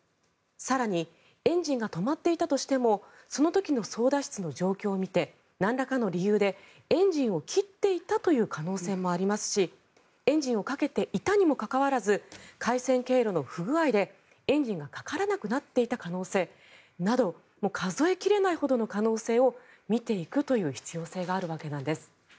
更にエンジンが止まっていたとしてもその時の操舵室の状況を見てなんらかの理由でエンジンを切っていたという可能性もありますしエンジンをかけていたにもかかわらず回線経路の不具合でエンジンがかからなくなっていた可能性など数え切れないほどの可能性を見ていくという必要性があるわけなんです。